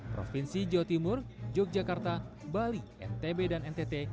provinsi jawa timur yogyakarta bali ntb dan ntt